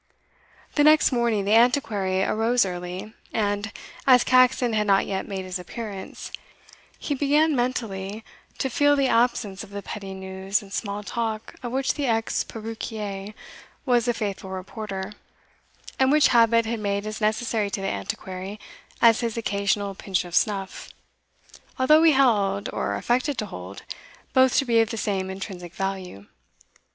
The next morning the Antiquary arose early, and, as Caxon had not yet made his appearance, he began mentally to feel the absence of the petty news and small talk of which the ex peruquier was a faithful reporter, and which habit had made as necessary to the Antiquary as his occasional pinch of snuff, although he held, or affected to hold, both to be of the same intrinsic value.